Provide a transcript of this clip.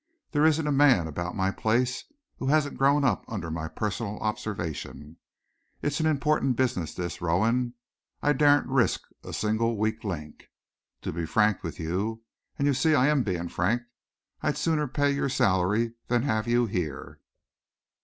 There isn't a man about my place who hasn't grown up under my own personal observation. It's an important business this, Rowan. I daren't risk a single weak link. To be frank with you, and you see I am being frank, I'd sooner pay your salary than have you here."